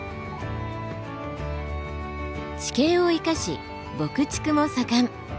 地形を生かし牧畜も盛ん。